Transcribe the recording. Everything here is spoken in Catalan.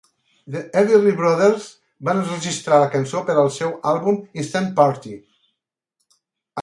The Everly Brothers van enregistrar la cançó per al seu àlbum "Instant Party!".